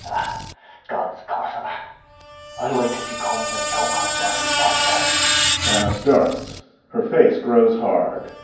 Oh, God's curse on her! [Raging.] I'll wait 'till she comes and choke her dirty life out. [ANNA starts, her face grows hard.